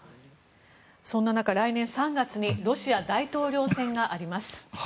そんな中、来年３月にロシア大統領選があります。